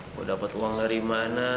gue dapet uang dari mana